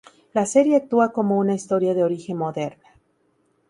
La serie actúa como una historia de origen moderna.